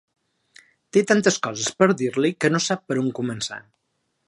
Té tantes coses per dir-li que no sap per on començar.